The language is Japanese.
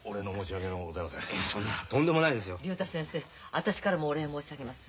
私からもお礼申し上げます。